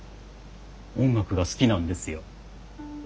音楽が好きなんですよ。